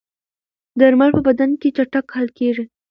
درمل په بدن کې چټک حل کېږي.